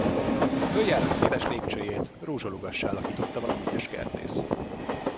A följárat széles lépcsőjét rózsalugassá alakította valami ügyes kertész.